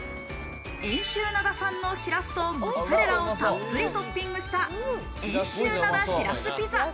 遠州灘産のしらすとモッツァレラをたっぷりトッピングした遠州灘しらすピザ。